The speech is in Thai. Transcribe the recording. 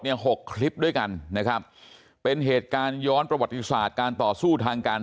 หกคลิปด้วยกันนะครับเป็นเหตุการณ์ย้อนประวัติศาสตร์การต่อสู้ทางการ